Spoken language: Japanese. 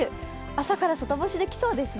朝から外干しできそうですね。